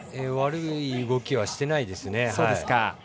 悪い動きはしてないですね。